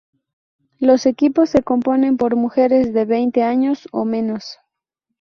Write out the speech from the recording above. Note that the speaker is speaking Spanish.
Los equipos se componen por mujeres de veinte años o menos.